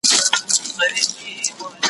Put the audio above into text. زه هره ورځ د سبا لپاره د ليکلو تمرين کوم،